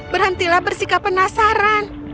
berhentilah bersikap penasaran